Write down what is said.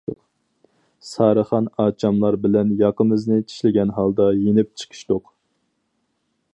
سارىخان ئاچاملار بىلەن ياقىمىزنى چىشلىگەن ھالدا يېنىپ چىقىشتۇق.